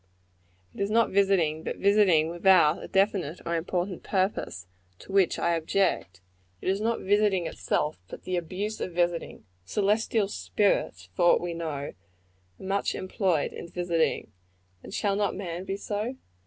It is not visiting, but visiting without a definite or important purpose, to which I object. It is not visiting itself, but the abuse of visiting. Celestial spirits, for aught we know, are much employed in visiting and shall not man be so?